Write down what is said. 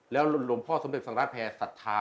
แล้วหลวงพ่อสมเด็จพระสังฆราชแพร่สัทธา